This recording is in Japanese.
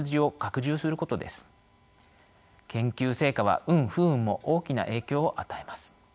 研究成果は運不運も大きな影響を与えます。